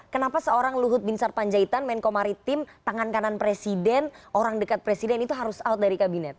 kenapa seorang luhut bin sarpanjaitan menko maritim tangan kanan presiden orang dekat presiden itu harus out dari kabinet